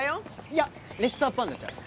いやレッサーパンダちゃう？